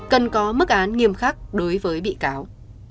cần có mức án nghiêm khắc đối với bị cáo